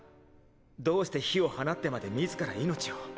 どうして火を放ってまで自ら命を。